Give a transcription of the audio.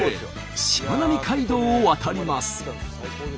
しまなみ海道を渡ります。